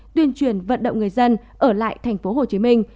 tuyên truyền vận động người dân ở lại thành phố hồ chí minh